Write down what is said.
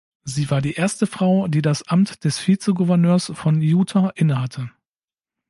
Sie war die erste Frau, die das Amt des Vizegouverneurs von Utah innehatte.